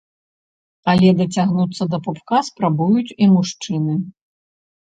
Але дацягнуцца да пупка спрабуюць і мужчыны.